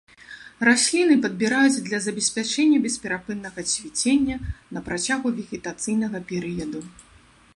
Расліны падбіраюць для забеспячэння бесперапыннага цвіцення на працягу вегетацыйнага перыяду.